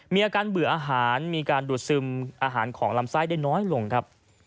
มีอาการเบื่ออาหารมีการดูดซึมอาหารของลำไส้ได้น้อยลงครับ